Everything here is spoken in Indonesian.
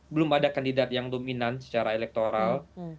belum ada kandidat yang dominan secara elektoral